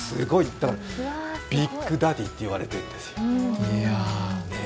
だからビッグダディって呼ばれてるんですよ。